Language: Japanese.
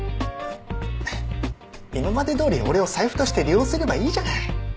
ははっ今までどおり俺を財布として利用すればいいじゃない。